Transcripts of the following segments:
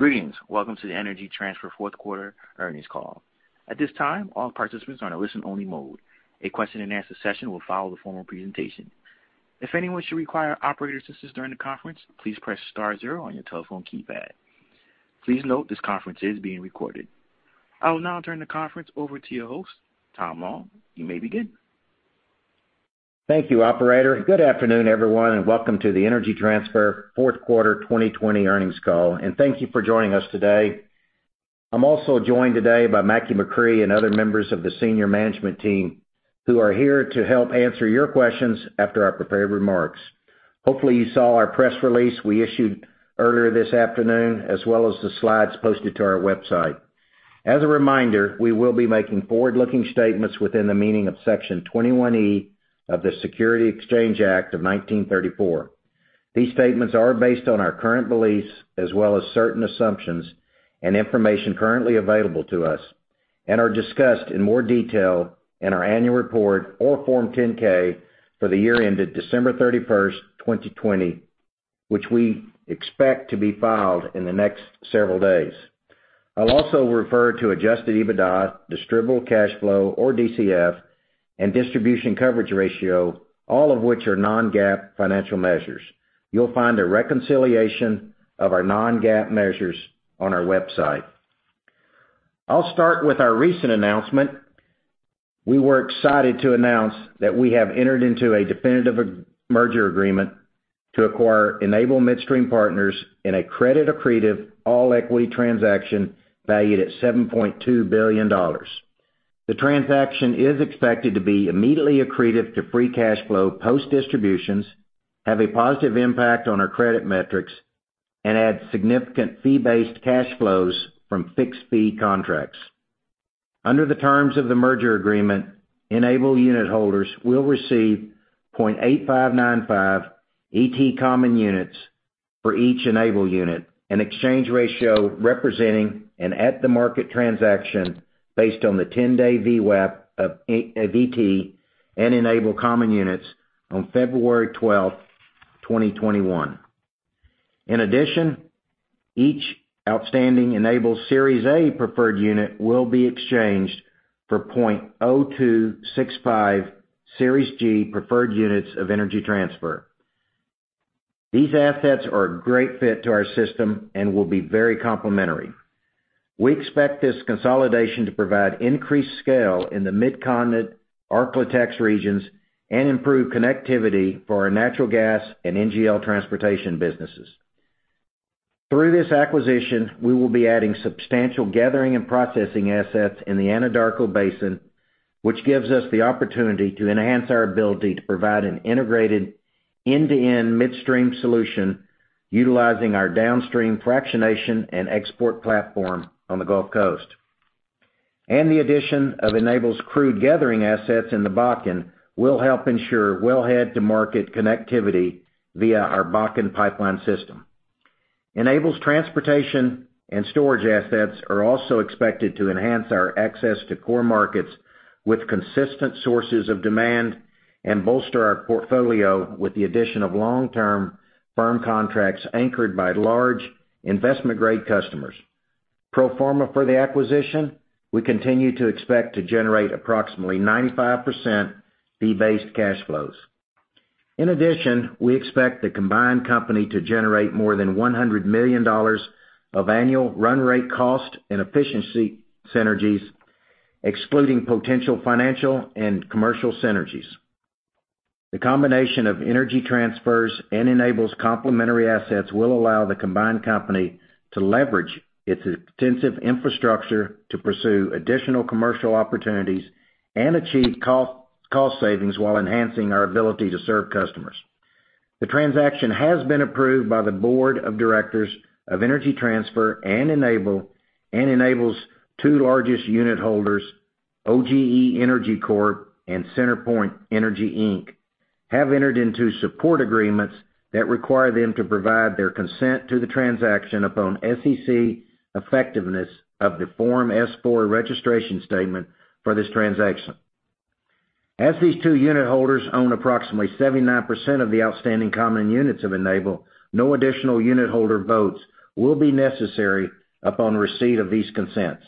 Greetings. Welcome to the Energy Transfer Fourth Quarter Earnings Call. At this time, all participants are in listen-only mode. A question and answer session will follow the formal presentation. If anyone should require operator assistance during the conference, please press star zero on your telephone keypad. Please note this conference is being recorded. I will now turn the conference over to your host, Tom Long. You may begin. Thank you, operator. Good afternoon, everyone, and welcome to the Energy Transfer fourth quarter 2020 earnings call. Thank you for joining us today. I'm also joined today by Mackie McCrea and other members of the senior management team who are here to help answer your questions after our prepared remarks. Hopefully, you saw our press release we issued earlier this afternoon, as well as the slides posted to our website. As a reminder, we will be making forward-looking statements within the meaning of Section 21E of the Securities Exchange Act of 1934. These statements are based on our current beliefs as well as certain assumptions and information currently available to us and are discussed in more detail in our annual report or Form 10-K for the year ended December 31st, 2020, which we expect to be filed in the next several days. I'll also refer to Adjusted EBITDA, distributable cash flow or DCF, and distribution coverage ratio, all of which are non-GAAP financial measures. You'll find a reconciliation of our non-GAAP measures on our website. I'll start with our recent announcement. We were excited to announce that we have entered into a definitive merger agreement to acquire Enable Midstream Partners in a credit accretive all-equity transaction valued at $7.2 billion. The transaction is expected to be immediately accretive to free cash flow post distributions, have a positive impact on our credit metrics and add significant fee-based cash flows from fixed fee contracts. Under the terms of the merger agreement, Enable unit holders will receive 0.8595 ET common units for each Enable unit, an exchange ratio representing an at-the-market transaction based on the 10-day VWAP of ET and Enable common units on February 12th, 2021. In addition, each outstanding Enable Series A preferred unit will be exchanged for 0.0265 Series G preferred units of Energy Transfer. These assets are a great fit to our system and will be very complementary. We expect this consolidation to provide increased scale in the Mid-Continent, Ark-La-Tex regions and improve connectivity for our natural gas and NGL transportation businesses. Through this acquisition, we will be adding substantial gathering and processing assets in the Anadarko Basin, which gives us the opportunity to enhance our ability to provide an integrated end-to-end midstream solution utilizing our downstream fractionation and export platform on the Gulf Coast. The addition of Enable's crude gathering assets in the Bakken will help ensure wellhead-to-market connectivity via our Bakken pipeline system. Enable's transportation and storage assets are also expected to enhance our access to core markets with consistent sources of demand and bolster our portfolio with the addition of long-term firm contracts anchored by large investment-grade customers. Pro forma for the acquisition, we continue to expect to generate approximately 95% fee-based cash flows. In addition, we expect the combined company to generate more than $100 million of annual run rate cost and efficiency synergies, excluding potential financial and commercial synergies. The combination of Energy Transfer's and Enable's complementary assets will allow the combined company to leverage its extensive infrastructure to pursue additional commercial opportunities and achieve cost savings while enhancing our ability to serve customers. The transaction has been approved by the board of directors of Energy Transfer and Enable, and Enable's two largest unit holders, OGE Energy Corp. CenterPoint Energy, Inc., have entered into support agreements that require them to provide their consent to the transaction upon SEC effectiveness of the Form S-4 registration statement for this transaction. As these two unit holders own approximately 79% of the outstanding common units of Enable, no additional unit holder votes will be necessary upon receipt of these consents.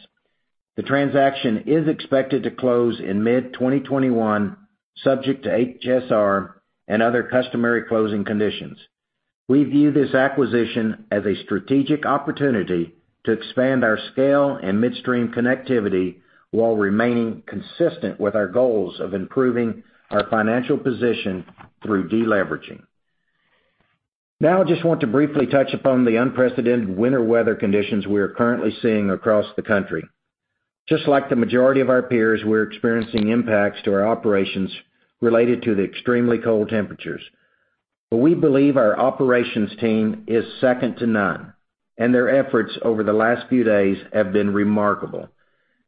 The transaction is expected to close in mid-2021, subject to HSR and other customary closing conditions. We view this acquisition as a strategic opportunity to expand our scale and midstream connectivity while remaining consistent with our goals of improving our financial position through de-leveraging. I just want to briefly touch upon the unprecedented winter weather conditions we are currently seeing across the country. Like the majority of our peers, we're experiencing impacts to our operations related to the extremely cold temperatures. We believe our operations team is second to none, and their efforts over the last few days have been remarkable.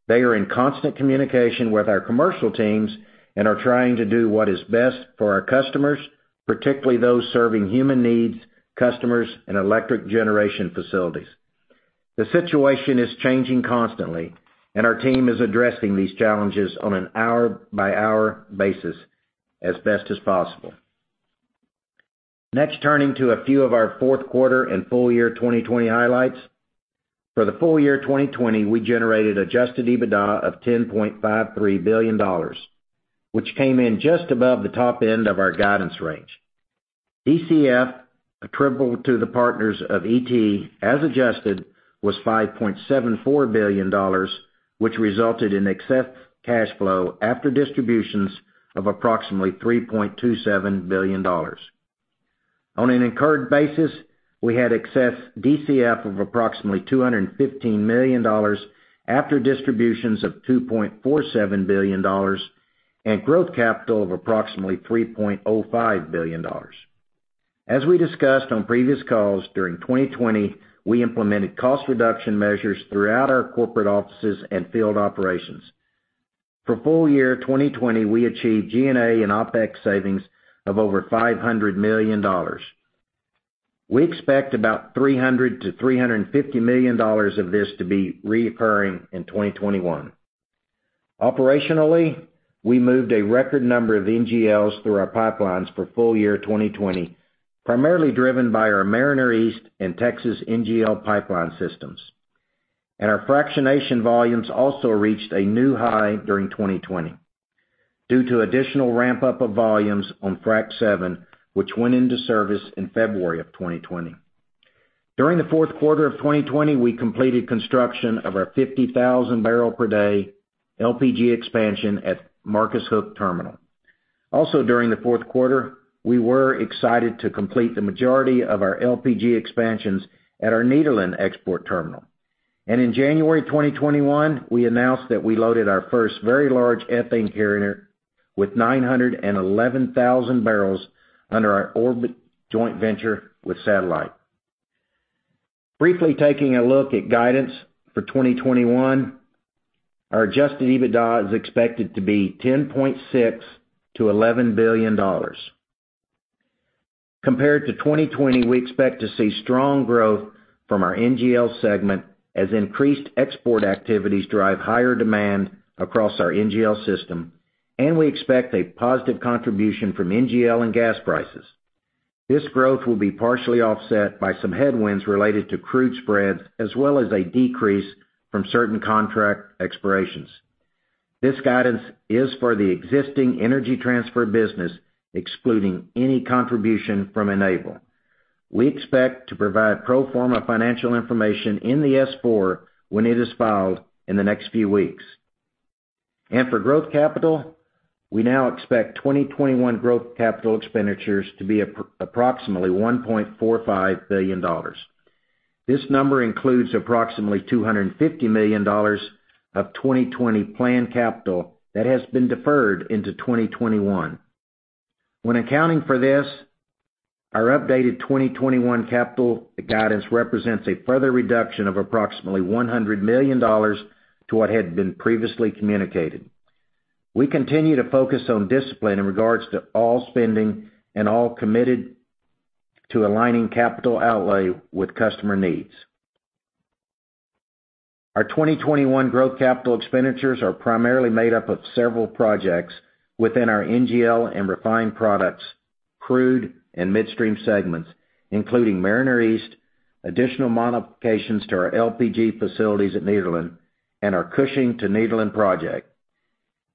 They are in constant communication with our commercial teams and are trying to do what is best for our customers, particularly those serving human needs customers and electric generation facilities. The situation is changing constantly, and our team is addressing these challenges on an hour-by-hour basis as best as possible. Turning to a few of our fourth quarter and full year 2020 highlights. For the full year 2020, we generated Adjusted EBITDA of $10.53 billion, which came in just above the top end of our guidance range. DCF attributable to the partners of ET as adjusted was $5.74 billion, which resulted in excess cash flow after distributions of approximately $3.27 billion. On an incurred basis, we had excess DCF of approximately $215 million after distributions of $2.47 billion and growth capital of approximately $3.05 billion. As we discussed on previous calls, during 2020, we implemented cost reduction measures throughout our corporate offices and field operations. For full year 2020, we achieved G&A and OpEx savings of over $500 million. We expect about $300 million-$350 million of this to be recurring in 2021. Operationally, we moved a record number of NGLs through our pipelines for full year 2020, primarily driven by our Mariner East and Texas NGL pipeline systems. Our fractionation volumes also reached a new high during 2020 due to additional ramp-up of volumes on Frac VII, which went into service in February of 2020. During the fourth quarter of 2020, we completed construction of our 50,000 bbl per day LPG expansion at Marcus Hook terminal. Also during the fourth quarter, we were excited to complete the majority of our LPG expansions at our Nederland export terminal. In January 2021, we announced that we loaded our first very large ethane carrier with 911,000 bbls under our Orbit joint venture with Satellite. Briefly taking a look at guidance for 2021. Our Adjusted EBITDA is expected to be $10.6 billion-$11 billion. Compared to 2020, we expect to see strong growth from our NGL segment as increased export activities drive higher demand across our NGL system, and we expect a positive contribution from NGL and gas prices. This growth will be partially offset by some headwinds related to crude spreads, as well as a decrease from certain contract expirations. This guidance is for the existing Energy Transfer business, excluding any contribution from Enable. We expect to provide pro forma financial information in the S-4 when it is filed in the next few weeks. For growth capital, we now expect 2021 growth capital expenditures to be approximately $1.45 billion. This number includes approximately $250 million of 2020 planned capital that has been deferred into 2021. When accounting for this, our updated 2021 capital guidance represents a further reduction of approximately $100 million to what had been previously communicated. We continue to focus on discipline in regards to all spending and all committed to aligning capital outlay with customer needs. Our 2021 growth capital expenditures are primarily made up of several projects within our NGL and refined products, crude and midstream segments, including Mariner East, additional modifications to our LPG facilities at Nederland, and our Cushing to Nederland project.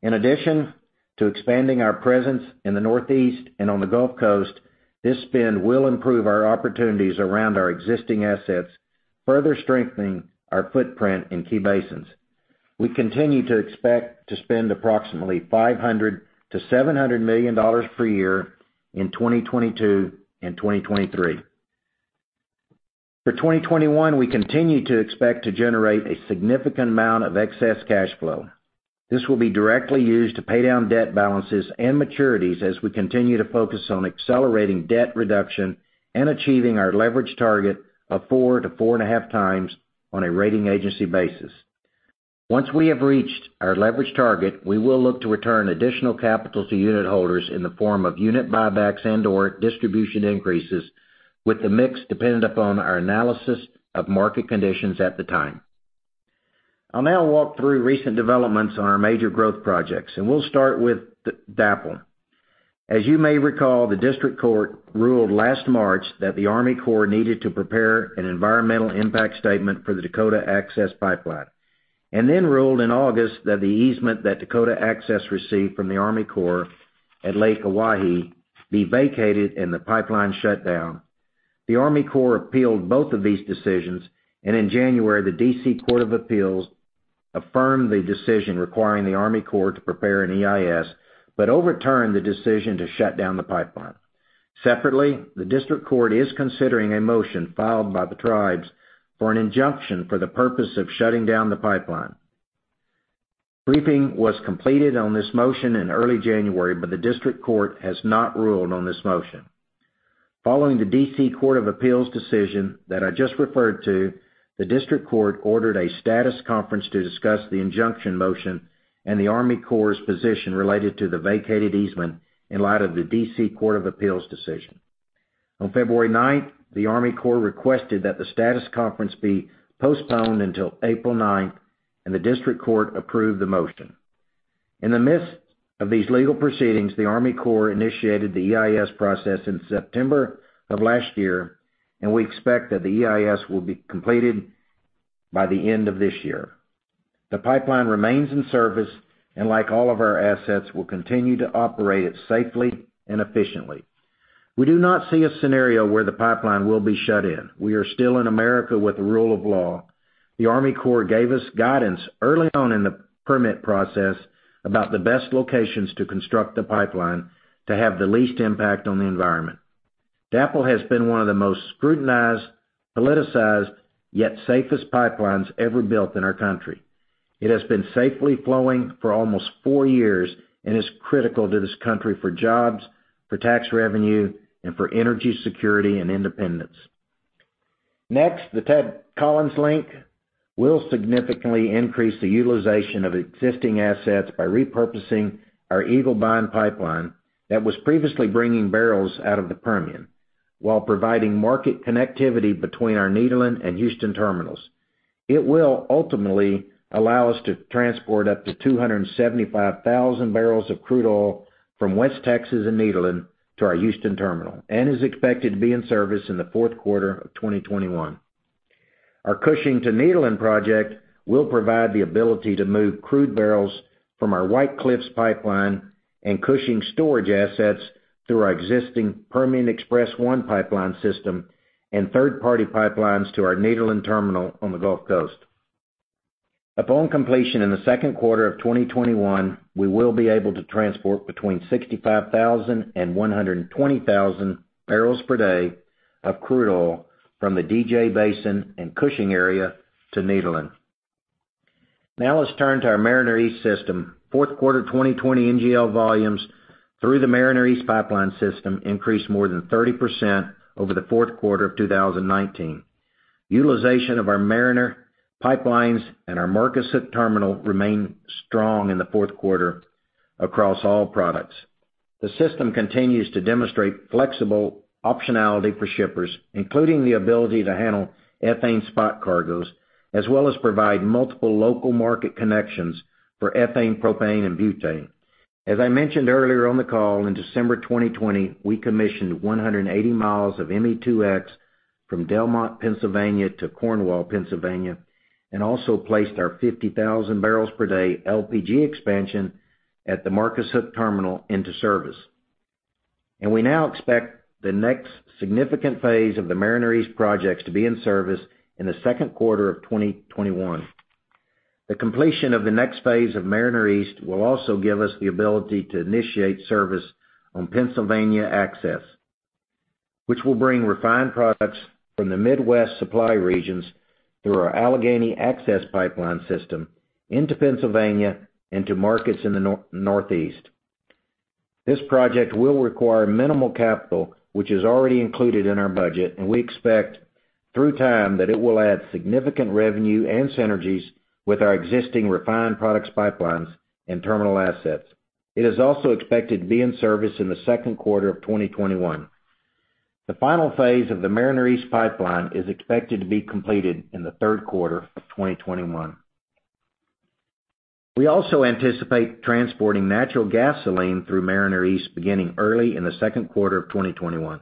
In addition to expanding our presence in the Northeast and on the Gulf Coast, this spend will improve our opportunities around our existing assets, further strengthening our footprint in key basins. We continue to expect to spend approximately $500 million to $700 million per year in 2022 and 2023. For 2021, we continue to expect to generate a significant amount of excess cash flow. This will be directly used to pay down debt balances and maturities as we continue to focus on accelerating debt reduction and achieving our leverage target of 4 to 4.5x on a rating agency basis. Once we have reached our leverage target, we will look to return additional capital to unitholders in the form of unit buybacks and/or distribution increases, with the mix dependent upon our analysis of market conditions at the time. I'll now walk through recent developments on our major growth projects. We'll start with DAPL. As you may recall, the district court ruled last March that the Army Corps needed to prepare an environmental impact statement for the Dakota Access Pipeline. Then ruled in August that the easement that Dakota Access received from the Army Corps at Lake Oahe be vacated and the pipeline shut down. The Army Corps appealed both of these decisions. In January, the D.C. Court of Appeals affirmed the decision requiring the Army Corps to prepare an EIS, overturned the decision to shut down the pipeline. Separately, the district court is considering a motion filed by the tribes for an injunction for the purpose of shutting down the pipeline. Briefing was completed on this motion in early January. The district court has not ruled on this motion. Following the D.C. Court of Appeals decision that I just referred to, the district court ordered a status conference to discuss the injunction motion and the Army Corps' position related to the vacated easement in light of the D.C. Court of Appeals decision. On February 9th, the Army Corps requested that the status conference be postponed until April 9th, and the district court approved the motion. In the midst of these legal proceedings, the Army Corps initiated the EIS process in September of last year, and we expect that the EIS will be completed by the end of this year. The pipeline remains in service, and like all of our assets, we'll continue to operate it safely and efficiently. We do not see a scenario where the pipeline will be shut in. We are still in America with the rule of law. The Army Corps gave us guidance early on in the permit process about the best locations to construct the pipeline to have the least impact on the environment. DAPL has been one of the most scrutinized, politicized, yet safest pipelines ever built in our country. It has been safely flowing for almost four years and is critical to this country for jobs, for tax revenue, and for energy security and independence. The Ted Collins Link will significantly increase the utilization of existing assets by repurposing our Eaglebine Pipeline that was previously bringing barrels out of the Permian while providing market connectivity between our Nederland and Houston terminals. It will ultimately allow us to transport up to 275,000 bbls of crude oil from West Texas and Nederland to our Houston terminal and is expected to be in service in the fourth quarter of 2021. Our Cushing to Nederland project will provide the ability to move crude barrels from our White Cliffs Pipeline and Cushing storage assets through our existing Permian Express 1 pipeline system and third-party pipelines to our Nederland terminal on the Gulf Coast. Upon completion in the second quarter of 2021, we will be able to transport between 65,000 and 120,000 bbls per day of crude oil from the DJ Basin and Cushing area to Nederland. Let's turn to our Mariner East system. Fourth quarter 2020 NGL volumes through the Mariner East pipeline system increased more than 30% over the fourth quarter of 2019. Utilization of our Mariner pipelines and our Marcus Hook terminal remained strong in the fourth quarter across all products. The system continues to demonstrate flexible optionality for shippers, including the ability to handle ethane spot cargoes, as well as provide multiple local market connections for ethane, propane, and butane. As I mentioned earlier on the call, in December 2020, we commissioned 180 miles of ME2X from Delmont, Pennsylvania, to Cornwall, Pennsylvania, and also placed our 50,000 bbls per day LPG expansion at the Marcus Hook terminal into service. We now expect the next significant phase of the Mariner East projects to be in service in the second quarter of 2021. The completion of the next phase of Mariner East will also give us the ability to initiate service on Pennsylvania Access, which will bring refined products from the Midwest supply regions through our Allegheny Access pipeline system into Pennsylvania and to markets in the Northeast. This project will require minimal capital, which is already included in our budget, and we expect through time that it will add significant revenue and synergies with our existing refined products pipelines and terminal assets. It is also expected to be in service in the second quarter of 2021. The final phase of the Mariner East pipeline is expected to be completed in the third quarter of 2021. We also anticipate transporting natural gasoline through Mariner East beginning early in the second quarter of 2021.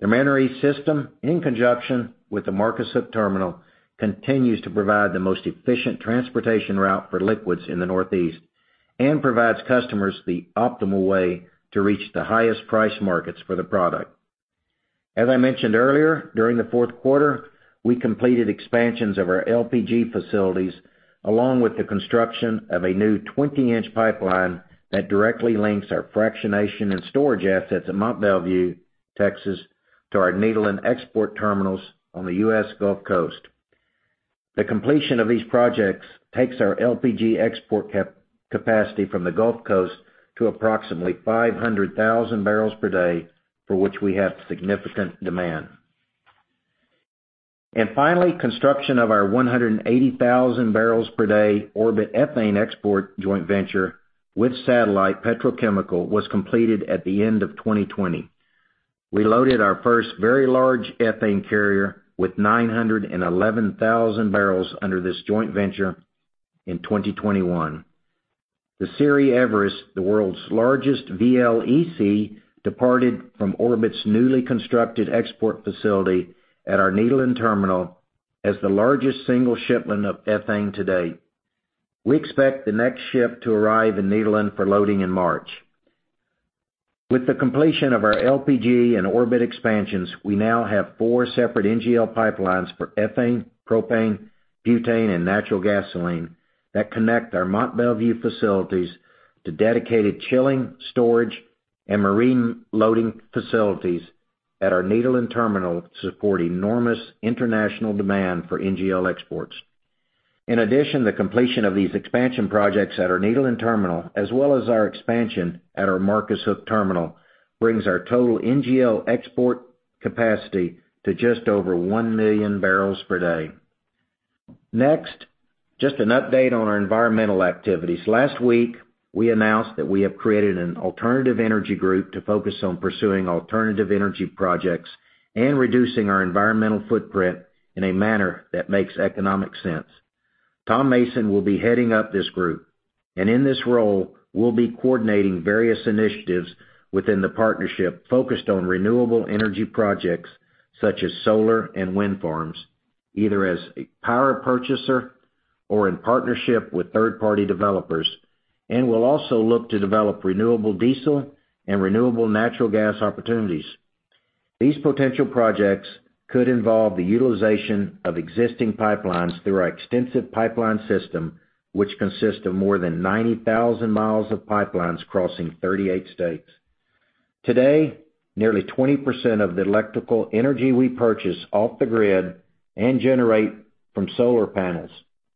The Mariner East system, in conjunction with the Marcus Hook terminal, continues to provide the most efficient transportation route for liquids in the Northeast and provides customers the optimal way to reach the highest price markets for the product. As I mentioned earlier, during the fourth quarter, we completed expansions of our LPG facilities, along with the construction of a new 20-inch pipeline that directly links our fractionation and storage assets at Mont Belvieu, Texas, to our Nederland export terminals on the U.S. Gulf Coast. The completion of these projects takes our LPG export capacity from the Gulf Coast to approximately 500,000 bbls per day, for which we have significant demand. Finally, construction of our 180,000 bbls per day Orbit Ethane export joint venture with Satellite Petrochemical was completed at the end of 2020. We loaded our first very large ethane carrier with 911,000 bbls under this joint venture in 2021. The Seri Everest, the world's largest VLEC, departed from Orbit's newly constructed export facility at our Nederland terminal as the largest single shipment of ethane to date. We expect the next ship to arrive in Nederland for loading in March. With the completion of our LPG and Orbit expansions, we now have four separate NGL pipelines for ethane, propane, butane, and natural gasoline that connect our Mont Belvieu facilities to dedicated chilling, storage, and marine loading facilities at our Nederland terminal to support enormous international demand for NGL exports. In addition, the completion of these expansion projects at our Nederland terminal, as well as our expansion at our Marcus Hook terminal, brings our total NGL export capacity to just over 1 million bbls per day. Next, just an update on our environmental activities. Last week, we announced that we have created an Alternative Energy Group to focus on pursuing Alternative Energy Projects and reducing our environmental footprint in a manner that makes economic sense. Tom Mason will be heading up this group, and in this role, will be coordinating various initiatives within the partnership focused on Renewable Energy Projects such as solar and wind farms, either as a power purchaser or in partnership with third-party developers. Will also look to develop renewable diesel and renewable natural gas opportunities. These potential projects could involve the utilization of existing pipelines through our extensive pipeline system, which consists of more than 90,000 mi of pipelines crossing 38 states. Today, nearly 20% of the electrical energy we purchase off the grid and generate from solar panels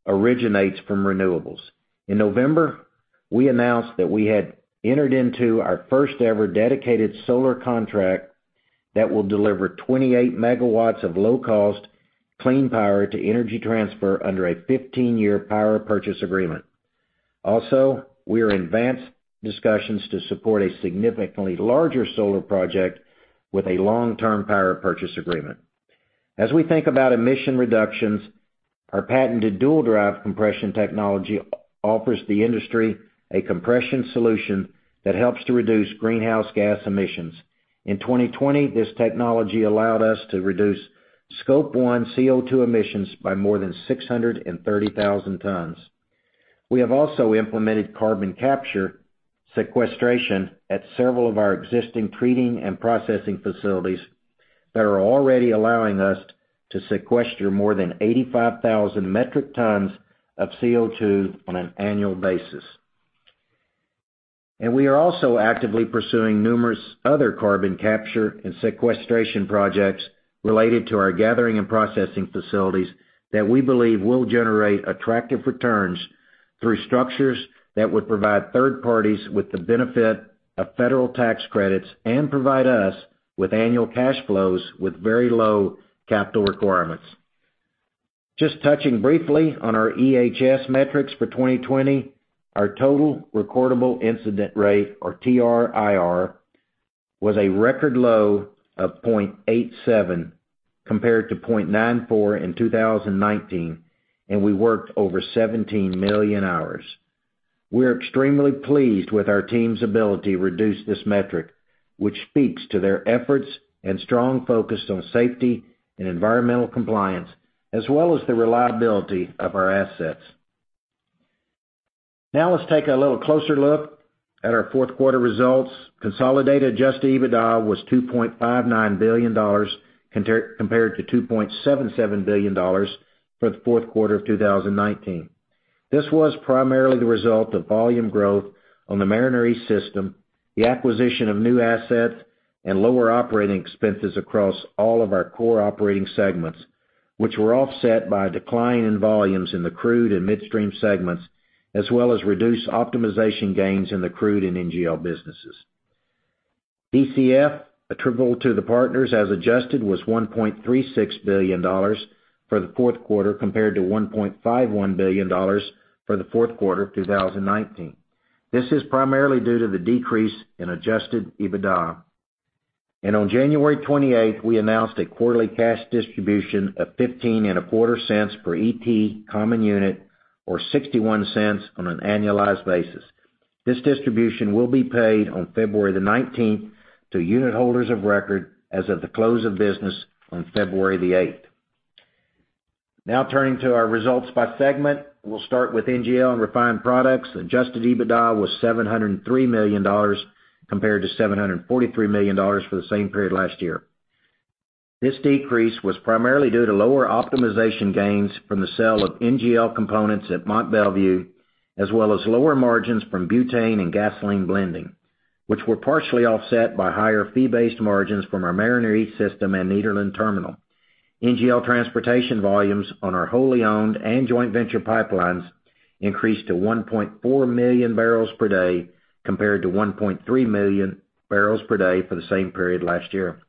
originates from renewables. In November, we announced that we had entered into our first ever dedicated solar contract that will deliver 28 MW of low-cost, clean power to Energy Transfer under a 15-year power purchase agreement. We're in advanced discussions to support a significantly larger solar project with a long-term power purchase agreement. As we think about emission reductions, our patented Dual Drive compression technology offers the industry a compression solution that helps to reduce greenhouse gas emissions. In 2020, this technology allowed us to reduce Scope 1 CO2 emissions by more than 630,000 tons. We have also implemented carbon capture sequestration at several of our existing treating and processing facilities that are already allowing us to sequester more than 85,000 metric tons of CO2 on an annual basis. We are also actively pursuing numerous other carbon capture and sequestration projects related to our gathering and processing facilities that we believe will generate attractive returns through structures that would provide third parties with the benefit of federal tax credits and provide us with annual cash flows with very low capital requirements. Just touching briefly on our EHS metrics for 2020, our total recordable incident rate, or TRIR, was a record low of 0.87, compared to 0.94 in 2019, and we worked over 17 million hours. We're extremely pleased with our team's ability to reduce this metric, which speaks to their efforts and strong focus on safety and environmental compliance, as well as the reliability of our assets. Now let's take a little closer look at our fourth quarter results. Consolidated Adjusted EBITDA was $2.59 billion, compared to $2.77 billion for the fourth quarter of 2019. This was primarily the result of volume growth on the Mariner East system, the acquisition of new assets, and lower operating expenses across all of our core operating segments, which were offset by a decline in volumes in the crude and midstream segments, as well as reduced optimization gains in the crude and NGL businesses. DCF attributable to the partners as adjusted was $1.36 billion for the fourth quarter, compared to $1.51 billion for the fourth quarter of 2019. This is primarily due to the decrease in Adjusted EBITDA. On January 28th, we announced a quarterly cash distribution of $0.1525 per ET common unit, or $0.61 on an annualized basis. This distribution will be paid on February the 19th to unit holders of record as of the close of business on February the 8th. Now turning to our results by segment, we'll start with NGL and refined products. Adjusted EBITDA was $703 million compared to $743 million for the same period last year. This decrease was primarily due to lower optimization gains from the sale of NGL components at Mont Belvieu, as well as lower margins from butane and gasoline blending, which were partially offset by higher fee-based margins from our Mariner East system and Nederland Terminal. NGL transportation volumes on our wholly owned and joint venture pipelines increased to 1.4 million bbls per day, compared to 1.3 million bbls per day for the same period last year.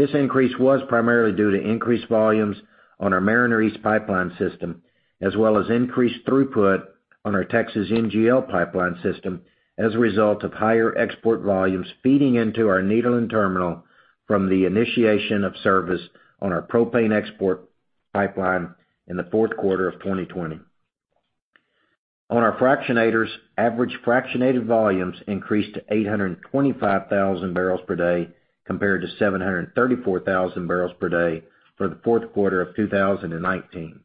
This increase was primarily due to increased volumes on our Mariner East pipeline system, as well as increased throughput on our Texas NGL pipeline system as a result of higher export volumes feeding into our Nederland terminal from the initiation of service on our propane export pipeline in the fourth quarter of 2020. On our fractionators, average fractionated volumes increased to 825,000 bbls per day, compared to 734,000 bbls per day for the fourth quarter of 2019.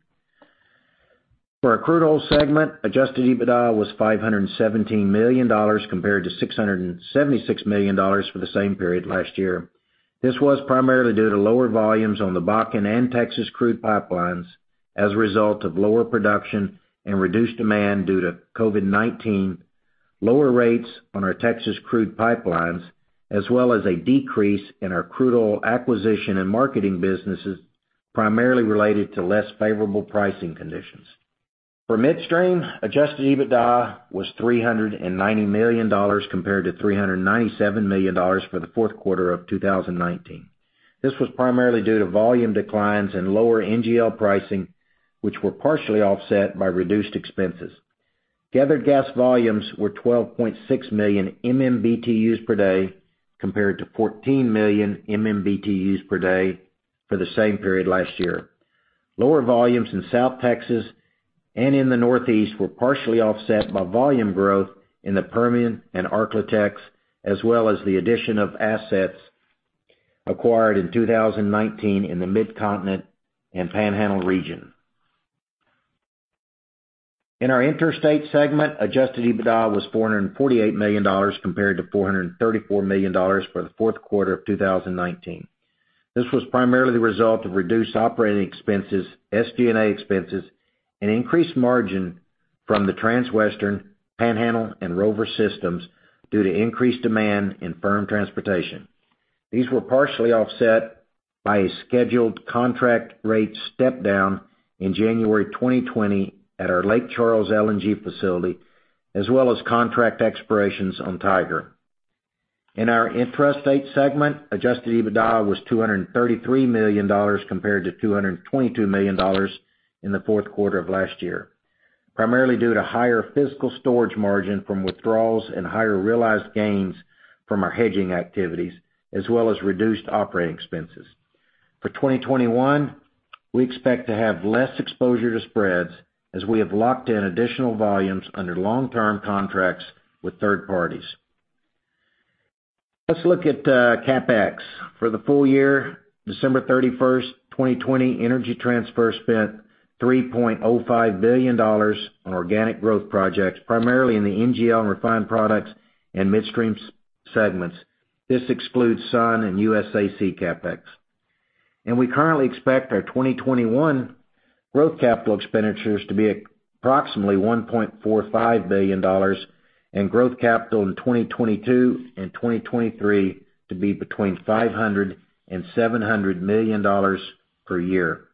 For our crude oil segment, Adjusted EBITDA was $517 million compared to $676 million for the same period last year. This was primarily due to lower volumes on the Bakken and Texas crude pipelines as a result of lower production and reduced demand due to COVID-19, lower rates on our Texas crude pipelines, as well as a decrease in our crude oil acquisition and marketing businesses, primarily related to less favorable pricing conditions. For midstream, Adjusted EBITDA was $390 million compared to $397 million for the fourth quarter of 2019. This was primarily due to volume declines and lower NGL pricing, which were partially offset by reduced expenses. Gathered gas volumes were 12.6 million MMBtus per day, compared to 14 million MMBtus per day for the same period last year. Lower volumes in South Texas and in the Northeast were partially offset by volume growth in the Permian and ArkLaTex, as well as the addition of assets acquired in 2019 in the Midcontinent and Panhandle region. In our interstate segment, Adjusted EBITDA was $448 million compared to $434 million for the fourth quarter of 2019. This was primarily the result of reduced operating expenses, SG&A expenses, and increased margin from the Transwestern, Panhandle, and Rover systems due to increased demand in firm transportation. These were partially offset by a scheduled contract rate step-down in January 2020 at our Lake Charles LNG facility, as well as contract expirations on Tiger. In our intrastate segment, Adjusted EBITDA was $233 million compared to $222 million in the fourth quarter of last year, primarily due to higher physical storage margin from withdrawals and higher realized gains from our hedging activities, as well as reduced operating expenses. For 2021, we expect to have less exposure to spreads as we have locked in additional volumes under long-term contracts with third parties. Let's look at CapEx. For the full year, December 31st, 2020, Energy Transfer spent $3.05 billion on organic growth projects, primarily in the NGL refined products and midstream segments. This excludes SUN and USAC CapEx. We currently expect our 2021 growth capital expenditures to be approximately $1.45 billion and growth capital in 2022 and 2023 to be between $500 million and $700 million per year.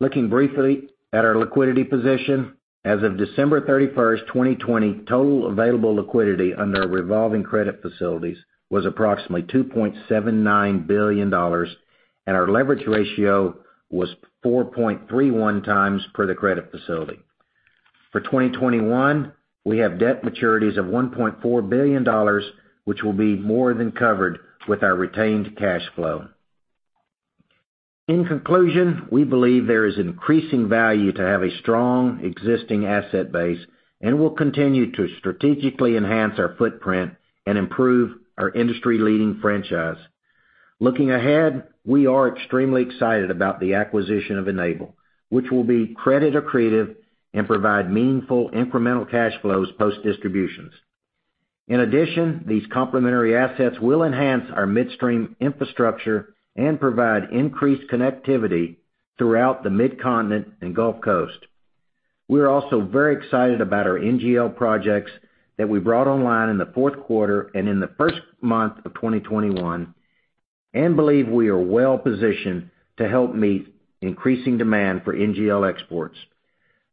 Looking briefly at our liquidity position. As of December 31st, 2020, total available liquidity under our revolving credit facilities was approximately $2.79 billion, and our leverage ratio was 4.31 times per the credit facility. For 2021, we have debt maturities of $1.4 billion, which will be more than covered with our retained cash flow. In conclusion, we believe there is increasing value to have a strong existing asset base, and we'll continue to strategically enhance our footprint and improve our industry-leading franchise. Looking ahead, we are extremely excited about the acquisition of Enable, which will be credit accretive and provide meaningful incremental cash flows post distributions. In addition, these complementary assets will enhance our midstream infrastructure and provide increased connectivity throughout the Midcontinent and Gulf Coast. We are also very excited about our NGL projects that we brought online in the fourth quarter and in the first month of 2021 and believe we are well-positioned to help meet increasing demand for NGL exports.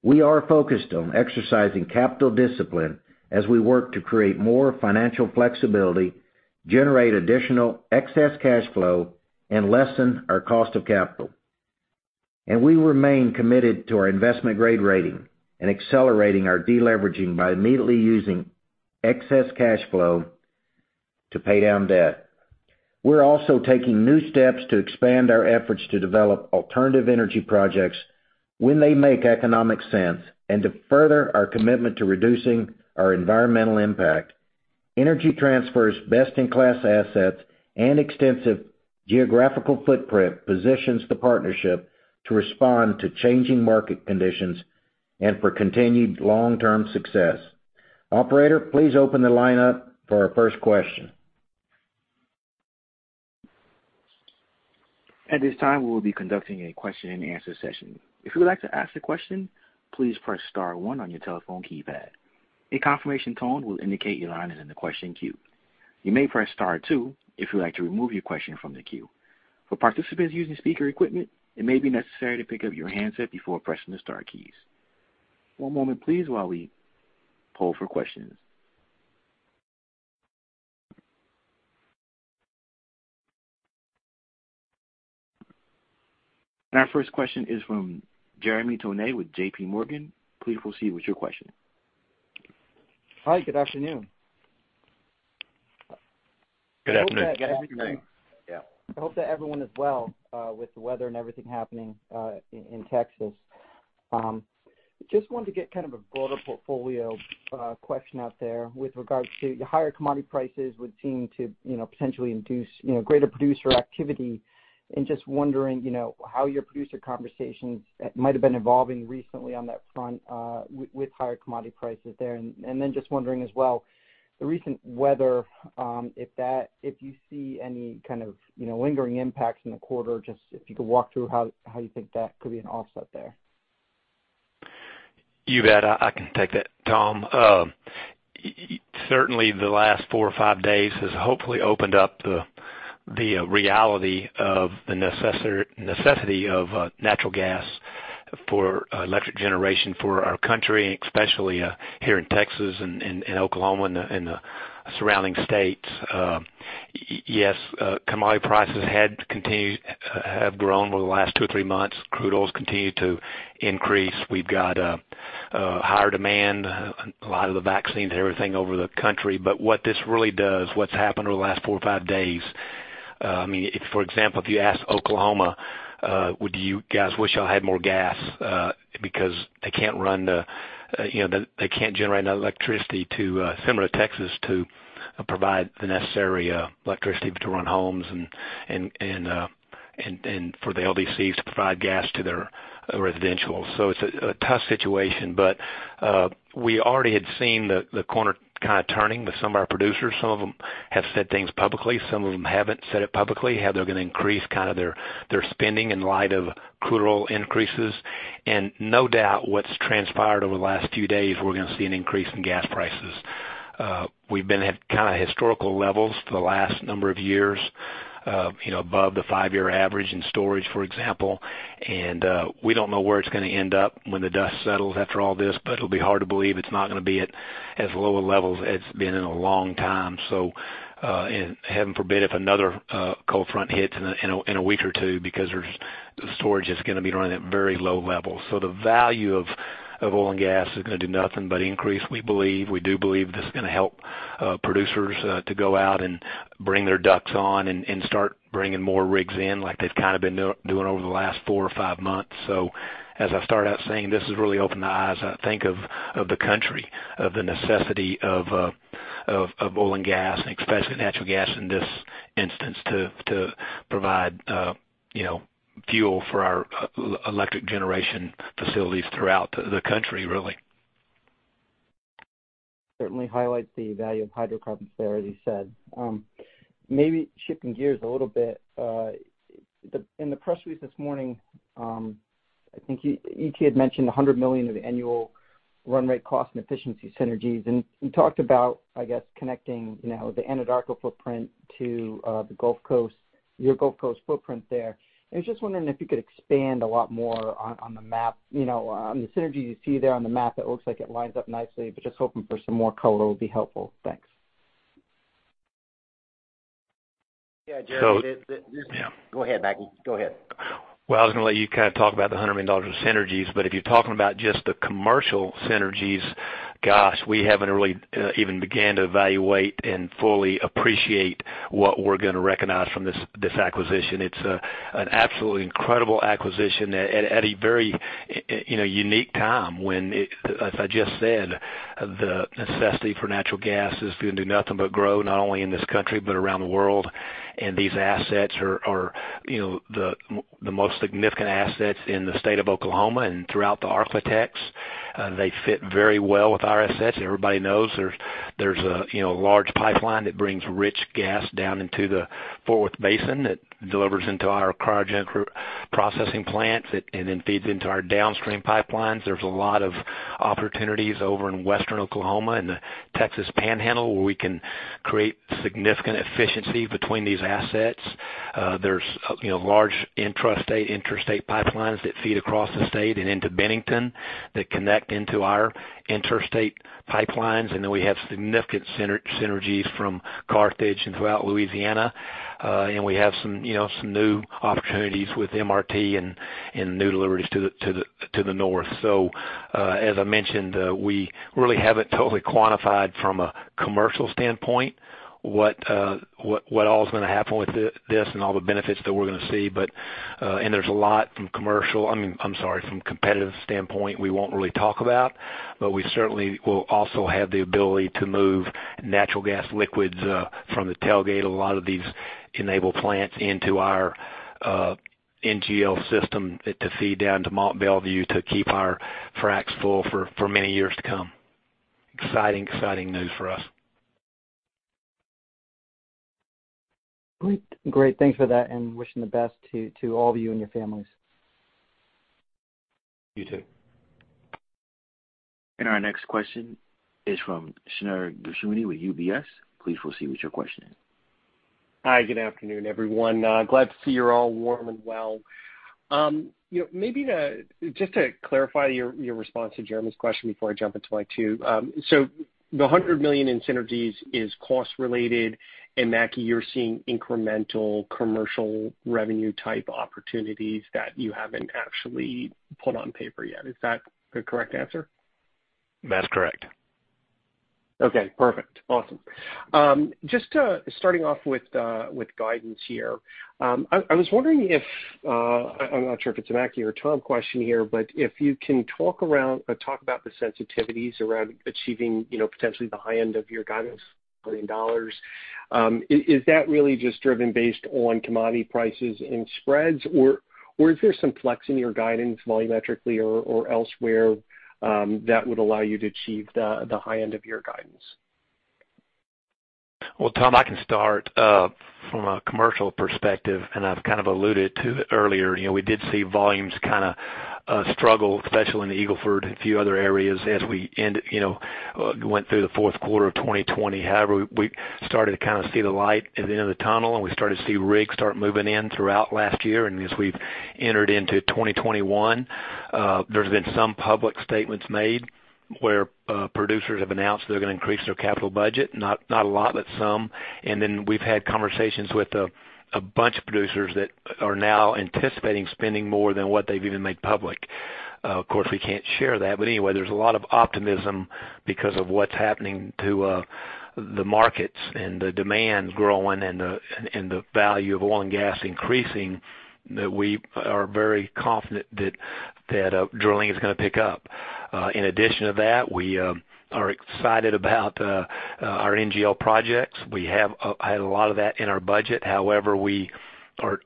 We are focused on exercising capital discipline as we work to create more financial flexibility, generate additional excess cash flow, and lessen our cost of capital. We remain committed to our investment-grade rating and accelerating our deleveraging by immediately using excess cash flow to pay down debt. We're also taking new steps to expand our efforts to develop alternative energy projects when they make economic sense and to further our commitment to reducing our environmental impact. Energy Transfer's best-in-class assets and extensive geographical footprint positions the partnership to respond to changing market conditions and for continued long-term success. Operator, please open the line up for our first question. At this time, we will be conducting a question and answer session. If you would like to ask a question, please press star one on your telephone keypad. A confirmation tone will indicate you are in the question queue. You may press star two if you would like to remove your question from the queue. For participants using speaker equipment, it may be necessary to pick up your handset before pressing the star key. One moment, please, while we poll for questions. Our first question is from Jeremy Tonet with JPMorgan. Please proceed with your question. Hi, good afternoon. Good afternoon. Good afternoon. I hope that everyone is well with the weather and everything happening in Texas. Just wanted to get kind of a broader portfolio question out there with regards to higher commodity prices would seem to potentially induce greater producer activity and just wondering how your producer conversations might have been evolving recently on that front with higher commodity prices there. Just wondering as well, the recent weather, if you see any kind of lingering impacts in the quarter, just if you could walk through how you think that could be an offset there. You bet. I can take that, Tom. Certainly, the last four or five days has hopefully opened up the reality of the necessity of natural gas for electric generation for our country, especially here in Texas and Oklahoma and the surrounding states. Yes, commodity prices have grown over the last two or three months. Crude oil's continued to increase. We've got higher demand, a lot of the vaccines and everything over the country. What this really does, what's happened over the last four or five days, for example, if you ask Oklahoma, "Do you guys wish y'all had more gas?" Because they can't generate enough electricity, similar to Texas, to provide the necessary electricity to run homes and for the LDCs to provide gas to their residential. It's a tough situation, but we already had seen the corner kind of turning with some of our producers. Some of them have said things publicly, some of them haven't said it publicly, how they're going to increase their spending in light of crude oil increases. No doubt what's transpired over the last few days, we're going to see an increase in gas prices. We've been at historical levels for the last number of years, above the five-year average in storage, for example. We don't know where it's going to end up when the dust settles after all this, but it'll be hard to believe it's not going to be at as low a level as it's been in a long time. Heaven forbid if another cold front hits in a week or two, because storage is going to be running at very low levels. The value of oil and gas is going to do nothing but increase, we believe. We do believe this is going to help producers to go out and bring their ducks on and start bringing more rigs in like they've been doing over the last four or five months. As I started out saying, this has really opened the eyes, I think, of the country, of the necessity of oil and gas, and especially natural gas in this instance to provide fuel for our electric generation facilities throughout the country, really. Certainly highlights the value of hydrocarbons there, as you said. Maybe shifting gears a little bit. In the press release this morning, I think ET had mentioned $100 million of annual run rate cost and efficiency synergies. You talked about, I guess, connecting the Anadarko footprint to your Gulf Coast footprint there. I was just wondering if you could expand a lot more on the map, on the synergies you see there on the map. It looks like it lines up nicely, just hoping for some more color would be helpful. Thanks. Jeremy. Go ahead, Mackie. Go ahead. I was going to let you talk about the $100 million of synergies, but if you're talking about just the commercial synergies, gosh, we haven't really even began to evaluate and fully appreciate what we're going to recognize from this acquisition. It's an absolutely incredible acquisition at a very unique time when, as I just said, the necessity for natural gas is going to do nothing but grow, not only in this country but around the world. These assets are the most significant assets in the state of Oklahoma and throughout the Ark-La-Tex. They fit very well with our assets. Everybody knows there's a large pipeline that brings rich gas down into the Fort Worth Basin that delivers into our cryogenic processing plants and then feeds into our downstream pipelines. There's a lot of opportunities over in western Oklahoma and the Texas Panhandle where we can create significant efficiency between these assets. There's large intrastate, interstate pipelines that feed across the state and into Bennington that connect into our interstate pipelines. We have significant synergies from Carthage and throughout Louisiana. We have some new opportunities with MRT and new deliveries to the north. As I mentioned, we really haven't totally quantified from a commercial standpoint what all is going to happen with this and all the benefits that we're going to see. I'm sorry, from competitive standpoint, we won't really talk about, but we certainly will also have the ability to move natural gas liquids from the tailgate. A lot of these Enable plants into our NGL system to feed down to Mont Belvieu to keep our fracs full for many years to come. Exciting news for us. Great. Thanks for that. Wishing the best to all of you and your families. You too. Our next question is from Shneur Gershuni with UBS. Please proceed with your question. Hi. Good afternoon, everyone. Glad to see you're all warm and well. Just to clarify your response to Jeremy's question before I jump into my two. The $100 million in synergies is cost related, and Mackie, you're seeing incremental commercial revenue type opportunities that you haven't actually put on paper yet. Is that the correct answer? That's correct. Okay. Perfect. Awesome. Just starting off with guidance here. I was wondering if, I'm not sure if it's a Mackie or Tom question here, but if you can talk about the sensitivities around achieving potentially the high end of your guidance, $1 billion. Is that really just driven based on commodity prices and spreads, or is there some flex in your guidance volumetrically or elsewhere that would allow you to achieve the high end of your guidance? Well, Tom, I can start. From a commercial perspective, and I've kind of alluded to it earlier, we did see volumes kind of struggle, especially in the Eagle Ford and a few other areas as we went through the fourth quarter of 2020. However, we started to kind of see the light at the end of the tunnel, and we started to see rigs start moving in throughout last year. As we've entered into 2021, there's been some public statements made where producers have announced they're going to increase their capital budget. Not a lot, but some. Then we've had conversations with a bunch of producers that are now anticipating spending more than what they've even made public. Of course, we can't share that. Anyway, there's a lot of optimism because of what's happening to the markets and the demand growing and the value of oil and gas increasing, that we are very confident that drilling is going to pick up. In addition to that, we are excited about our NGL projects. We had a lot of that in our budget. However, we are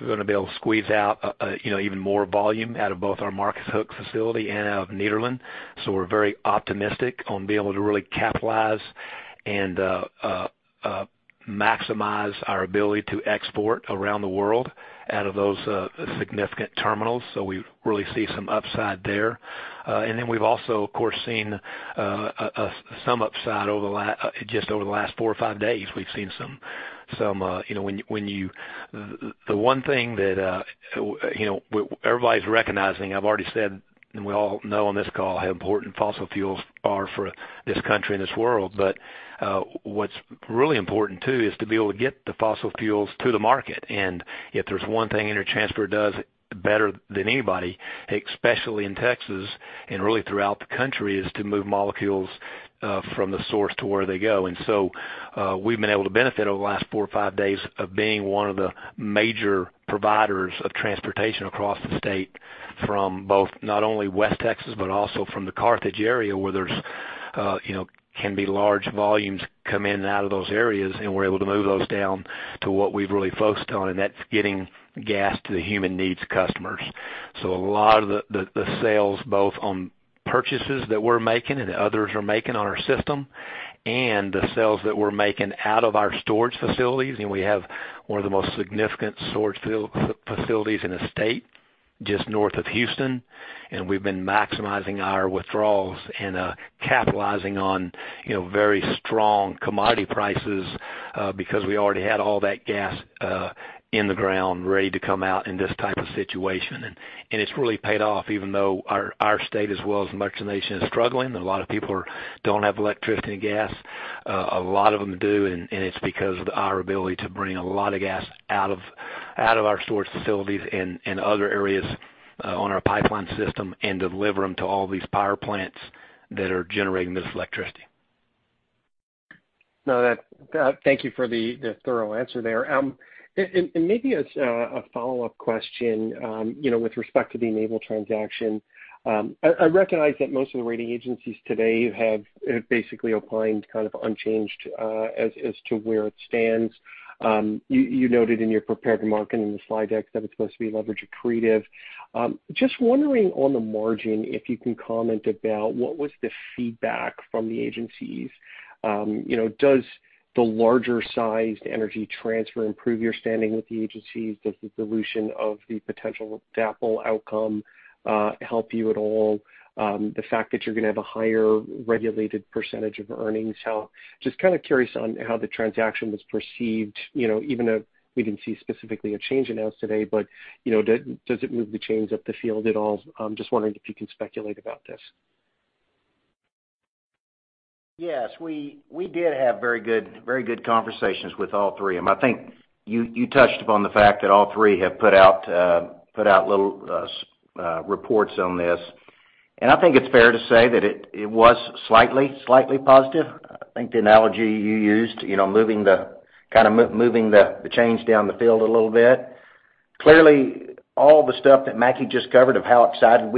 going to be able to squeeze out even more volume out of both our Marcus Hook facility and out of Nederland. We're very optimistic on being able to really capitalize and maximize our ability to export around the world out of those significant terminals. We've also, of course, seen some upside just over the last four or five days. The one thing that everybody's recognizing, I've already said, and we all know on this call how important fossil fuels are for this country and this world. What's really important, too, is to be able to get the fossil fuels to the market. If there's one thing Energy Transfer does better than anybody, especially in Texas and really throughout the country, is to move molecules from the source to where they go. We've been able to benefit over the last four or five days of being one of the major providers of transportation across the state from both not only West Texas, but also from the Carthage area, where there can be large volumes come in and out of those areas, and we're able to move those down to what we've really focused on, and that's getting gas to the human needs customers. A lot of the sales, both on purchases that we're making and others are making on our system and the sales that we're making out of our storage facilities, and we have one of the most significant storage facilities in the state, just north of Houston, and we've been maximizing our withdrawals and capitalizing on very strong commodity prices because we already had all that gas in the ground ready to come out in this type of situation. It's really paid off, even though our state as well as much of the nation is struggling. A lot of people don't have electricity and gas. A lot of them do, and it's because of our ability to bring a lot of gas out of our storage facilities and other areas on our pipeline system and deliver them to all these power plants that are generating this electricity. Thank you for the thorough answer there. Maybe a follow-up question with respect to the Enable transaction. I recognize that most of the rating agencies today have basically opined kind of unchanged as to where it stands. You noted in your prepared remark in the slide deck that it's supposed to be leverage accretive. Just wondering on the margin, if you can comment about what was the feedback from the agencies. Does the larger sized Energy Transfer improve your standing with the agencies? Does the dilution of the potential DAPL outcome help you at all? The fact that you're going to have a higher regulated percentage of earnings? Just kind of curious on how the transaction was perceived, even if we didn't see specifically a change announced today, but does it move the chains up the field at all? I'm just wondering if you can speculate about this. Yes, we did have very good conversations with all three of them. I think you touched upon the fact that all three have put out little reports on this, and I think it's fair to say that it was slightly positive. I think the analogy you used, kind of moving the chains down the field a little bit. Clearly, all the stuff that Mackie just covered of how excited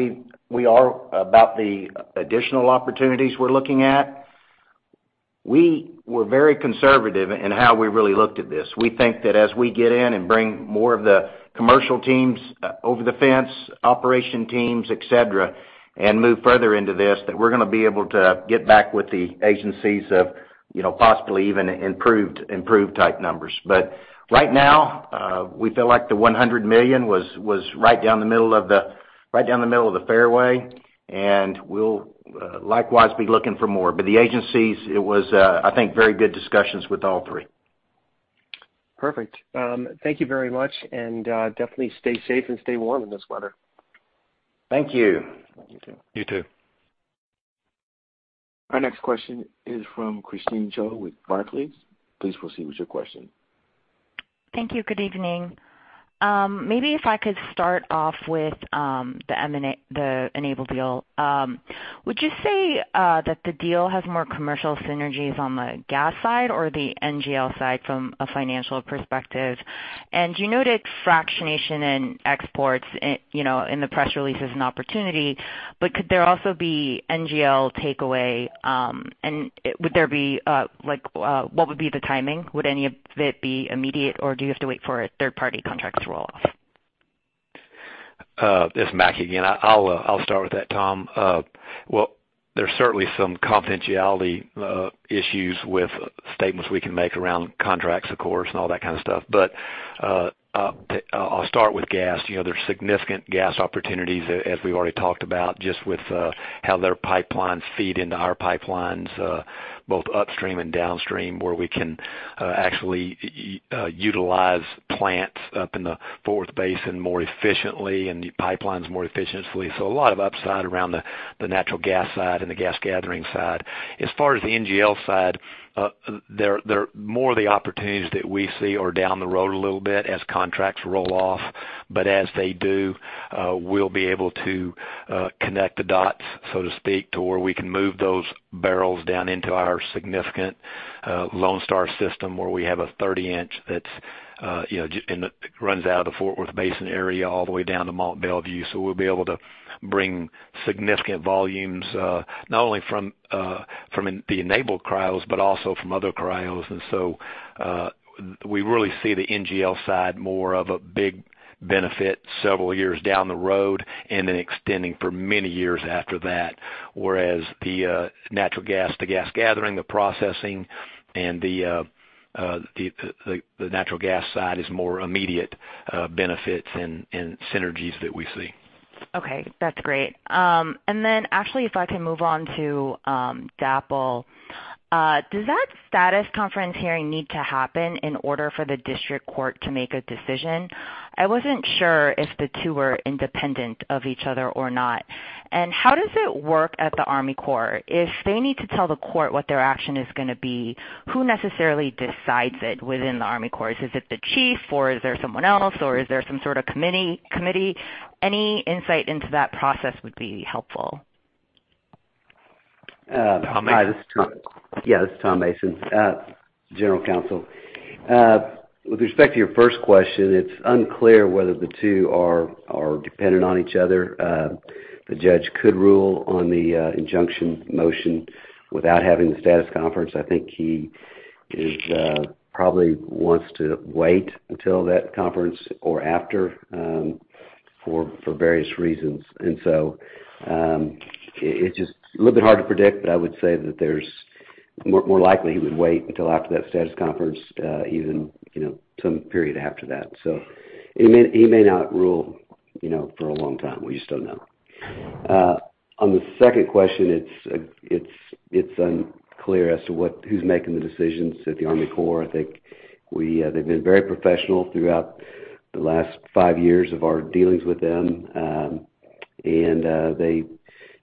we are about the additional opportunities we're looking at. We were very conservative in how we really looked at this. We think that as we get in and bring more of the commercial teams over the fence, operation teams, et cetera, and move further into this, that we're going to be able to get back with the agencies of possibly even improved type numbers. Right now, we feel like the $100 million was right down the middle of the fairway, and we'll likewise be looking for more. The agencies, it was, I think, very good discussions with all three. Perfect. Thank you very much, and definitely stay safe and stay warm in this weather. Thank you. You too. You too. Our next question is from Christine Cho with Barclays. Please proceed with your question. Thank you. Good evening. Maybe if I could start off with the Enable deal. Would you say that the deal has more commercial synergies on the gas side or the NGL side from a financial perspective? You noted fractionation and exports in the press release as an opportunity, but could there also be NGL takeaway? What would be the timing? Would any of it be immediate, or do you have to wait for third-party contracts to roll off? It's Mackie again. I'll start with that, Tom. Well, there's certainly some confidentiality issues with statements we can make around contracts, of course, and all that kind of stuff. I'll start with gas. There's significant gas opportunities as we've already talked about, just with how their pipelines feed into our pipelines both upstream and downstream, where we can actually utilize plants up in the Fort Worth Basin more efficiently and the pipelines more efficiently. A lot of upside around the natural gas side and the gas gathering side. As far as the NGL side, more of the opportunities that we see are down the road a little bit as contracts roll off. As they do, we'll be able to connect the dots, so to speak, to where we can move those barrels down into our significant Lone Star system, where we have a 30-inch that runs out of the Fort Worth Basin area all the way down to Mont Belvieu. We'll be able to bring significant volumes, not only from the Enable crudes, but also from other crudes. We really see the NGL side more of a big benefit several years down the road, and then extending for many years after that. Whereas the natural gas to gas gathering, the processing, and the natural gas side is more immediate benefits and synergies that we see. Okay. That's great. Actually, if I can move on to DAPL. Does that status conference hearing need to happen in order for the district court to make a decision? I wasn't sure if the two were independent of each other or not. How does it work at the Army Corps? If they need to tell the court what their action is going to be, who necessarily decides it within the Army Corps? Is it the chief, or is there someone else, or is there some sort of committee? Any insight into that process would be helpful. Yes, this is Tom Mason, general counsel. With respect to your first question, it's unclear whether the two are dependent on each other. The judge could rule on the injunction motion without having the status conference. I think he probably wants to wait until that conference or after, for various reasons. It's just a little bit hard to predict, but I would say that more likely he would wait until after that status conference, even some period after that. He may not rule for a long time. We just don't know. On the second question, it's unclear as to who's making the decisions at the Army Corps. I think they've been very professional throughout the last five years of our dealings with them.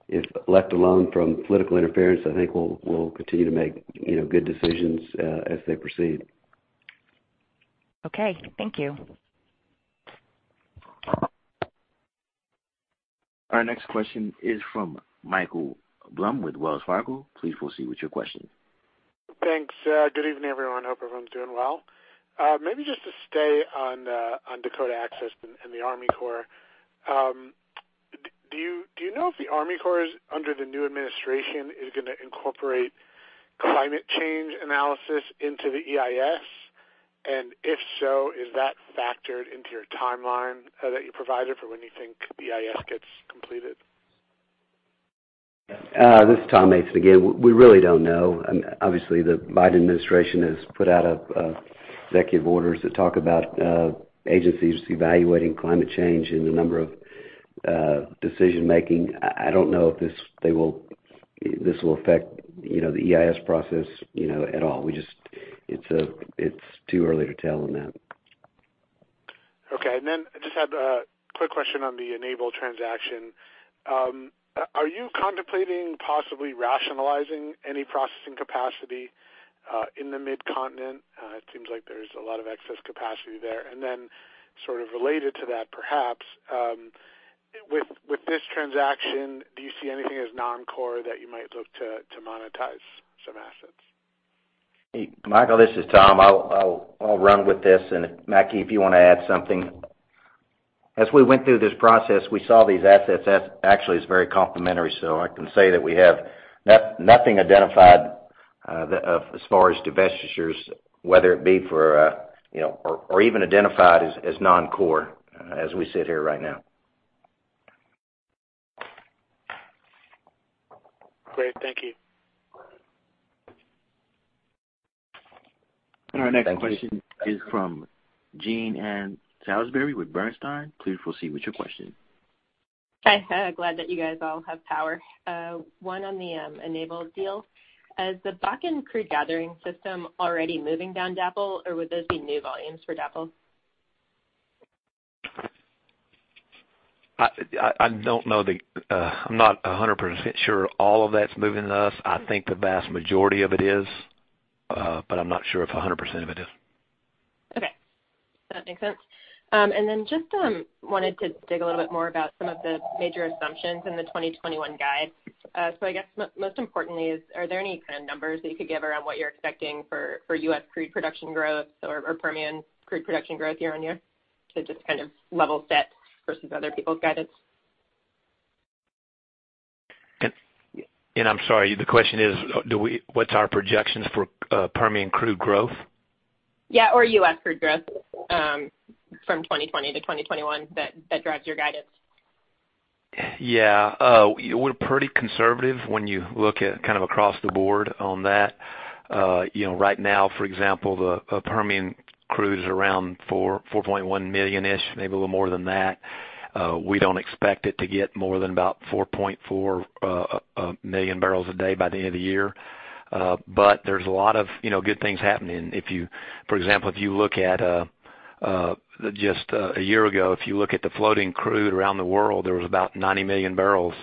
If left alone from political interference, I think will continue to make good decisions as they proceed. Okay. Thank you. Our next question is from Michael Blum with Wells Fargo. Please proceed with your question. Thanks. Good evening, everyone. Hope everyone's doing well. Maybe just to stay on Dakota Access and the Army Corps. Do you know if the Army Corps, under the new administration, is going to incorporate climate change analysis into the EIS? If so, is that factored into your timeline that you provided for when you think EIS gets completed? This is Tom Mason again. We really don't know. Obviously, the Biden administration has put out executive orders that talk about agencies evaluating climate change in a number of decision-making. I don't know if this will affect the EIS process at all. It's too early to tell on that. Okay. I just had a quick question on the Enable transaction. Are you contemplating possibly rationalizing any processing capacity in the Mid-Continent? It seems like there's a lot of excess capacity there. Sort of related to that, perhaps, with this transaction, do you see anything as non-core that you might look to monetize some assets? Hey, Michael, this is Tom. I'll run with this and Mackie, if you want to add something. As we went through this process, we saw these assets as actually very complementary. I can say that we have nothing identified as far as divestitures, or even identified as non-core as we sit here right now. Great. Thank you. Our next question is from Jean Ann Salisbury with Bernstein. Please proceed with your question. Hi. Glad that you guys all have power. One on the Enable deal. Is the Bakken crude gathering system already moving down DAPL, or would those be new volumes for DAPL? I'm not 100% sure all of that's moving to us. I think the vast majority of it is, but I'm not sure if 100% of it is. Okay. That makes sense. Just wanted to dig a little bit more about some of the major assumptions in the 2021 guide. I guess most importantly is, are there any kind of numbers that you could give around what you're expecting for U.S. crude production growth or Permian crude production growth year-on-year to just kind of level set versus other people's guidance? I'm sorry, the question is, what's our projections for Permian crude growth? Yeah. U.S. crude growth from 2020 to 2021 that drives your guidance. Yeah. We're pretty conservative when you look at kind of across the board on that. Right now, for example, the Permian crude is around 4.1 million-ish, maybe a little more than that. We don't expect it to get more than about 4.4 million bbls a day by the end of the year. There's a lot of good things happening. For example, if you look at just a year ago, if you look at the floating crude around the world, there was about 90 million bbls.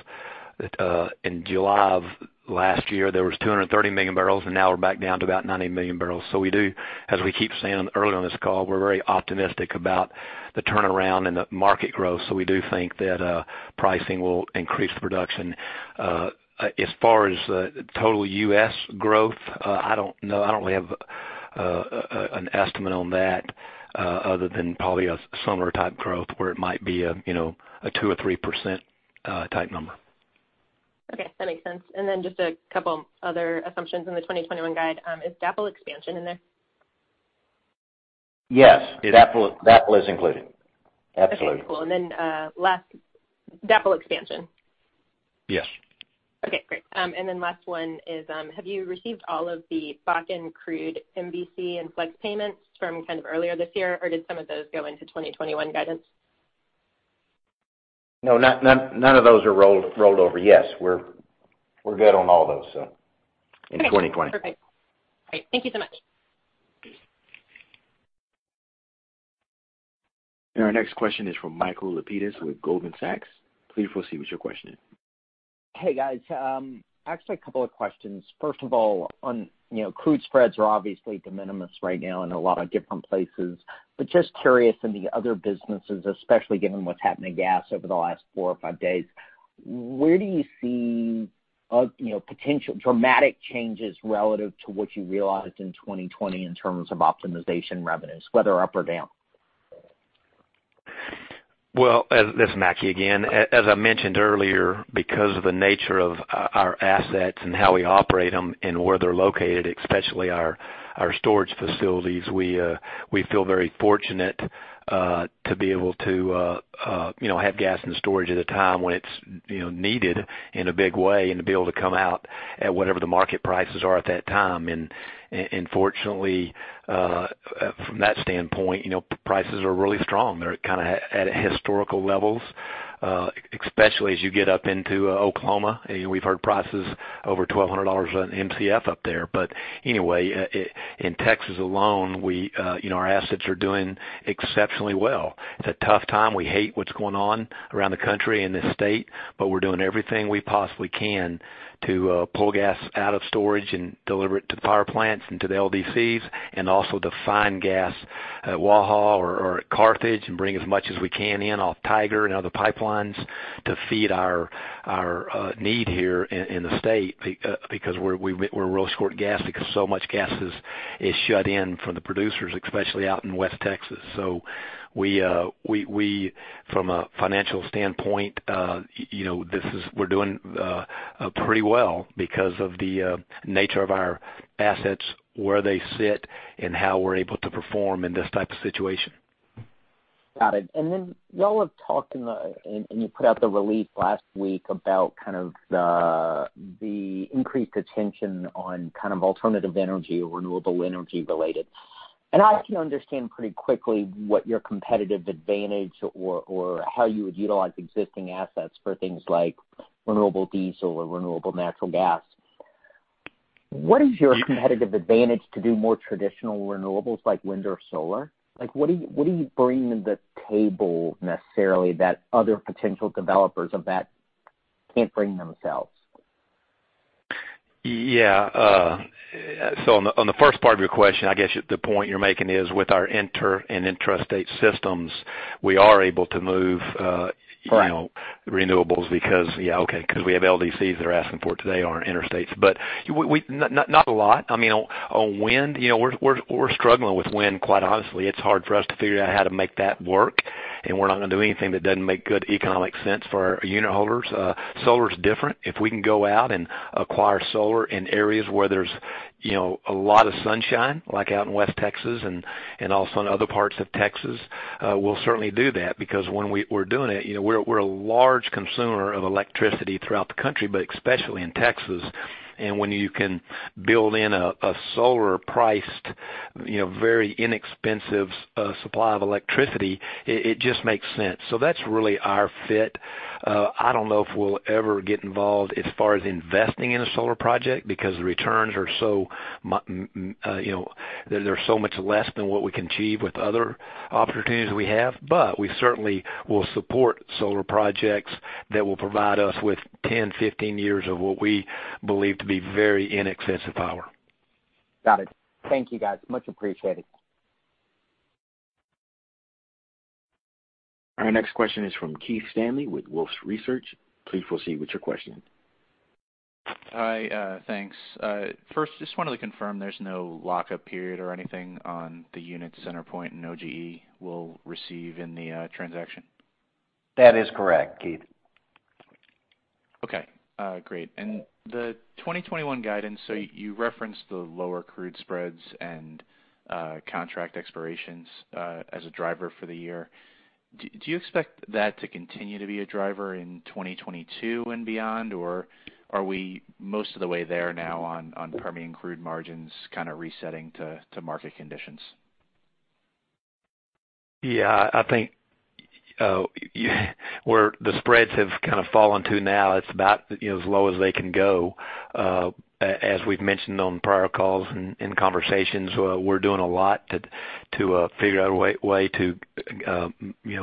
In July of last year, there was 230 million barrels, and now we're back down to about 90 million bbls. As we keep saying early on this call, we're very optimistic about the turnaround and the market growth. We do think that pricing will increase production. As far as total U.S. growth, I don't know. I don't have an estimate on that other than probably a summer type growth where it might be a 2% or 3% type number. Okay, that makes sense. Just a couple other assumptions in the 2021 guide. Is DAPL expansion in there? Yes. DAPL is included. Absolutely. Okay, cool. Then DAPL expansion? Yes. Okay, great. Last one is have you received all of the Bakken crude MVC and flex payments from kind of earlier this year, or did some of those go into 2021 guidance? No, none of those are rolled over. Yes, we're good on all those, so in 2020. Okay, perfect. All right. Thank you so much. Our next question is from Michael Lapides with Goldman Sachs. Please proceed with your question. Hey, guys. Actually a couple of questions. First of all, on crude spreads are obviously de minimis right now in a lot of different places, but just curious in the other businesses, especially given what's happened to gas over the last four or five days, where do you see potential dramatic changes relative to what you realized in 2020 in terms of optimization revenues, whether up or down? Well, this is Mackie again. As I mentioned earlier, because of the nature of our assets and how we operate them and where they're located, especially our storage facilities, we feel very fortunate to be able to have gas and storage at a time when it's needed in a big way and to be able to come out at whatever the market prices are at that time. Fortunately, from that standpoint, prices are really strong. They're kind of at historical levels, especially as you get up into Oklahoma. We've heard prices over $1,200 an MCF up there. Anyway, in Texas alone, our assets are doing exceptionally well. It's a tough time. We hate what's going on around the country and this state, we're doing everything we possibly can to pull gas out of storage and deliver it to the power plants and to the LDCs and also to find gas at Waha or Carthage and bring as much as we can in off Tiger and other pipelines to feed our need here in the state because we're real short gas because so much gas is shut in from the producers, especially out in West Texas. We, from a financial standpoint, we're doing pretty well because of the nature of our assets, where they sit, and how we're able to perform in this type of situation. Got it. Y'all have talked, and you put out the release last week about kind of the increased attention on kind of alternative energy or renewable energy related. I actually understand pretty quickly what your competitive advantage or how you would utilize existing assets for things like renewable diesel or renewable natural gas. What is your competitive advantage to do more traditional renewables like wind or solar? What do you bring to the table necessarily that other potential developers of that can't bring themselves? Yeah. On the first part of your question, I guess the point you're making is with our inter and intrastate systems, we are able to move renewables because, yeah, okay, because we have LDCs that are asking for it today on interstates, but not a lot. I mean, on wind, we're struggling with wind, quite honestly. It's hard for us to figure out how to make that work, and we're not going to do anything that doesn't make good economic sense for our unitholders. Solar is different. If we can go out and acquire solar in areas where there's a lot of sunshine, like out in West Texas and also in other parts of Texas, we'll certainly do that because when we're doing it, we're a large consumer of electricity throughout the country, but especially in Texas. When you can build in a solar priced, very inexpensive supply of electricity, it just makes sense. That's really our fit. I don't know if we'll ever get involved as far as investing in a solar project because the returns, they're so much less than what we can achieve with other opportunities we have. We certainly will support solar projects that will provide us with 10, 15 years of what we believe to be very inexpensive power. Got it. Thank you, guys. Much appreciated. Our next question is from Keith Stanley with Wolfe Research. Please proceed with your question. Hi, thanks. First, just wanted to confirm there's no lockup period or anything on the unit CenterPoint and OGE will receive in the transaction. That is correct, Keith. Okay, great. The 2021 guidance, you referenced the lower crude spreads and contract expirations as a driver for the year. Do you expect that to continue to be a driver in 2022 and beyond, or are we most of the way there now on Permian crude margins kind of resetting to market conditions? Yeah, I think where the spreads have kind of fallen to now, it's about as low as they can go. As we've mentioned on prior calls and conversations, we're doing a lot to figure out a way to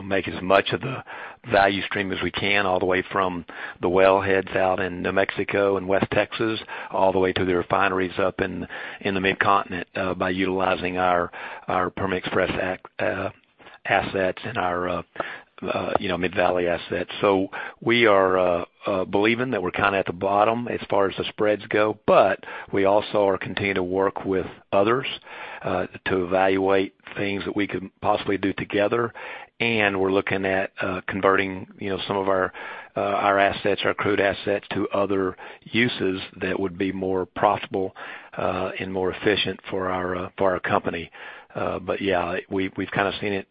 make as much of the value stream as we can, all the way from the wellheads out in New Mexico and West Texas, all the way to the refineries up in the Mid-Continent, by utilizing our Permian Express assets and our Mid-Valley assets. We are believing that we're kind of at the bottom as far as the spreads go, but we also are continuing to work with others, to evaluate things that we could possibly do together. We're looking at converting some of our assets, our crude assets, to other uses that would be more profitable and more efficient for our company. Yeah, we've kind of seen it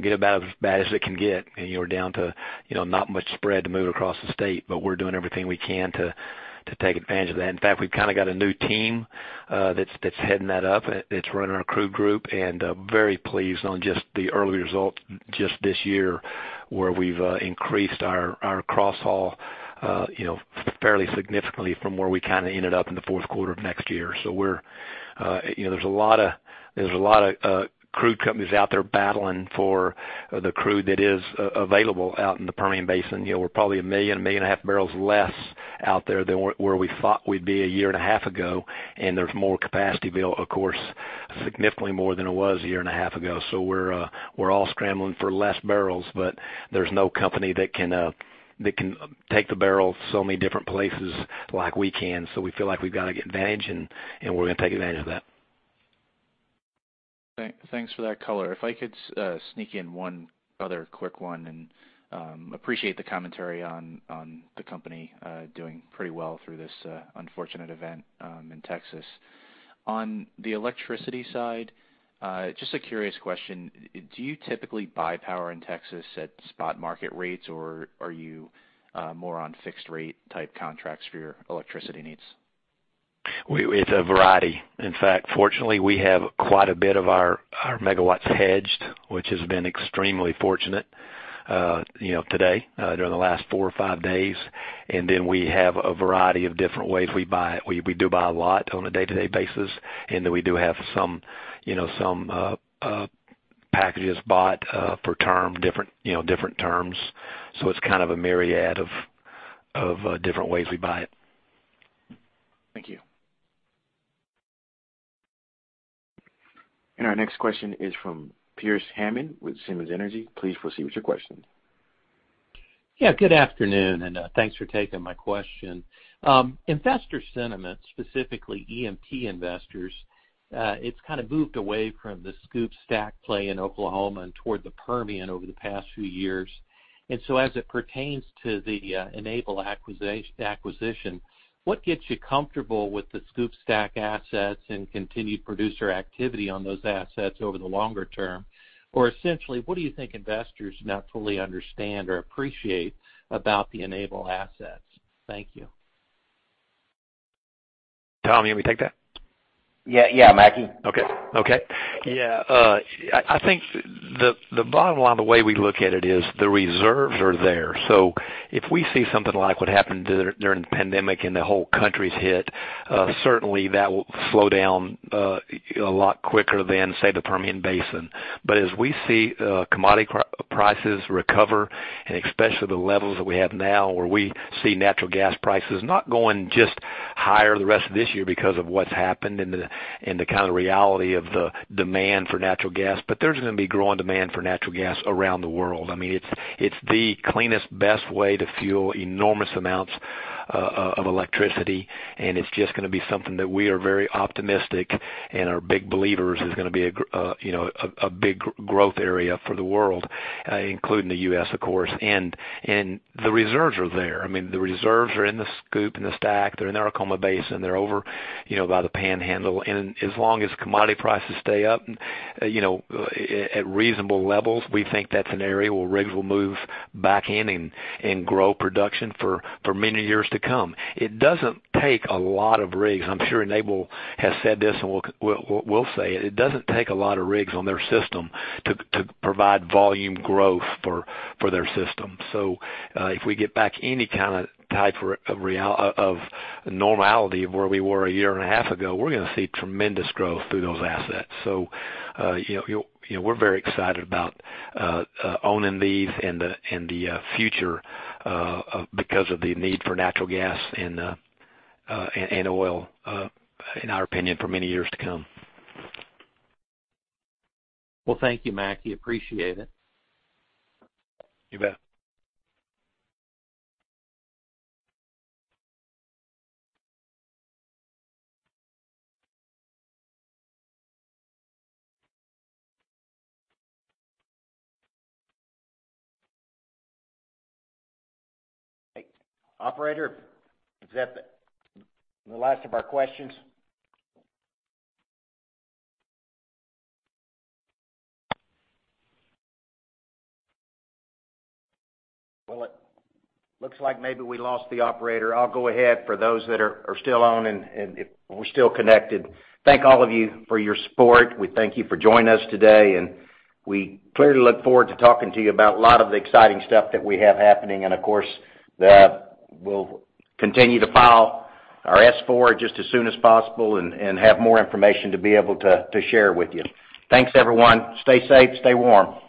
get about as bad as it can get. We're down to not much spread to move across the state, but we're doing everything we can to take advantage of that. In fact, we've kind of got a new team that's heading that up. It's running our crude group, and very pleased on just the early results just this year, where we've increased our cross-haul fairly significantly from where we kind of ended up in the fourth quarter of next year. There's a lot of crude companies out there battling for the crude that is available out in the Permian Basin. We're probably 1 million, 1.5 million bbls less out there than where we thought we'd be a year and a half ago. There's more capacity built, of course, significantly more than it was a year and a half ago. We're all scrambling for less barrels, but there's no company that can take the barrel so many different places like we can. We feel like we've got an advantage, and we're going to take advantage of that. Thanks for that color. If I could sneak in one other quick one, appreciate the commentary on the company doing pretty well through this unfortunate event in Texas. On the electricity side, just a curious question. Do you typically buy power in Texas at spot market rates, or are you more on fixed rate type contracts for your electricity needs? It's a variety. In fact, fortunately, we have quite a bit of our megawatts hedged, which has been extremely fortunate today, during the last four or five days. We have a variety of different ways we buy. We do buy a lot on a day-to-day basis, and then we do have some packages bought for term, different terms. It's kind of a myriad of different ways we buy it. Thank you. Our next question is from Pearce Hammond with Simmons Energy. Please proceed with your question. Yeah, good afternoon, and thanks for taking my question. Investor sentiment, specifically E&P investors, it's kind of moved away from the SCOOP/STACK play in Oklahoma and toward the Permian over the past few years. As it pertains to the Enable acquisition, what gets you comfortable with the SCOOP/STACK assets and continued producer activity on those assets over the longer term? Essentially, what do you think investors do not fully understand or appreciate about the Enable assets? Thank you. Tom, you want me to take that? Yeah. Mackie? Okay. Yeah. I think the bottom line, the way we look at it is the reserves are there. If we see something like what happened during the pandemic and the whole country's hit, certainly that will slow down a lot quicker than, say, the Permian Basin. As we see commodity prices recover, and especially the levels that we have now, where we see natural gas prices not going just higher the rest of this year because of what's happened and the kind of reality of the demand for natural gas, but there's going to be growing demand for natural gas around the world. It's the cleanest, best way to fuel enormous amounts of electricity, and it's just going to be something that we are very optimistic and are big believers is going to be a big growth area for the world, including the U.S., of course. The reserves are there. The reserves are in the SCOOP, in the STACK, they're in the Arkoma Basin, they're over by the Panhandle. As long as commodity prices stay up at reasonable levels, we think that's an area where rigs will move back in and grow production for many years to come. It doesn't take a lot of rigs. I'm sure Enable has said this, and we'll say it. It doesn't take a lot of rigs on their system to provide volume growth for their system. If we get back any kind of normality of where we were a year and a half ago, we're going to see tremendous growth through those assets. We're very excited about owning these and the future because of the need for natural gas and oil, in our opinion, for many years to come. Well, thank you, Mackie. Appreciate it. You bet. Operator, is that the last of our questions? Well, it looks like maybe we lost the operator. I'll go ahead for those that are still on and if we're still connected. Thank all of you for your support. We thank you for joining us today, and we clearly look forward to talking to you about a lot of the exciting stuff that we have happening. Of course, we'll continue to file our S4 just as soon as possible and have more information to be able to share with you. Thanks, everyone. Stay safe, stay warm.